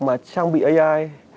mà trang bị ai